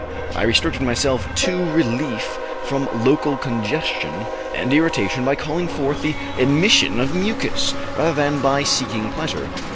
I restricted myself to relief from local congestion and irritation by calling forth the emission of mucus, rather than by seeking pleasure.